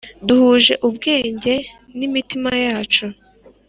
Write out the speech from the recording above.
Duhuje ubwenge n’imitima yacu